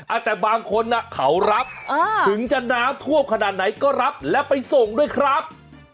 อ่ะแต่บางคนน่ะเขารับอ่าถึงจะน้ำท่วมขนาดไหนก็รับและไปส่งด้วยครับ